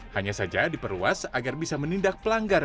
hanya saja diperluas agar bisa menindak pelanggar